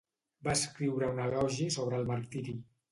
Va escriure un elogi sobre el martiri.